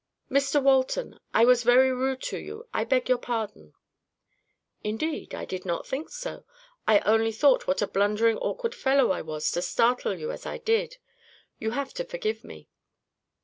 "Mr Walton, I was very rude to you. I beg your pardon." "Indeed, I did not think so. I only thought what a blundering awkward fellow I was to startle you as I did. You have to forgive me."